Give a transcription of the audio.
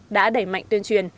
đã đẩy mạnh tuyên truyền